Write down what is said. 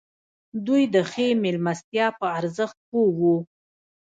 دوی د ښې مېلمستیا په ارزښت پوه وو.